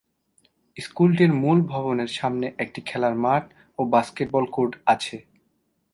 স্কুলটির মূল ভবনের সামনে একটি খেলার মাঠ ও বাস্কেটবল কোর্ট আছে।